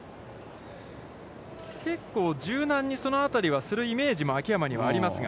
結構柔軟に、そのあたりはするイメージも秋山にはありますが。